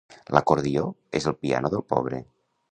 L'acordió és el piano del pobre.